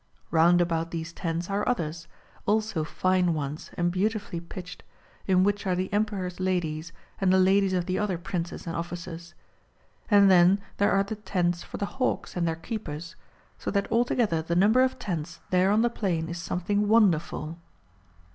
Round about these tents are others, also fine ones and beautifully pitched, in which are the Emperor's ladies, and the ladies of the other princes and officers. And then there are the tents for the hawks and their keepers, so that altogether the number of tents there on the plain is something wonderful.